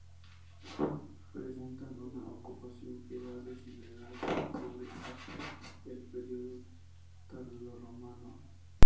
Presentan una ocupación que va desde la Edad del Cobre hasta el período tardorromano.